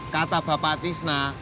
kata bapak tisna